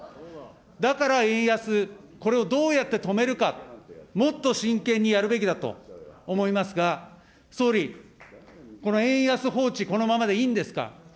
だから円安、これをどうやって止めるか、もっと真剣にやるべきだと思いますが、総理、この円安放置、このままでいいんですか。